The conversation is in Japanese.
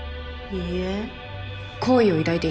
いいえ。